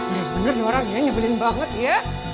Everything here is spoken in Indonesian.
ya bener bener suaranya nyebelin banget ya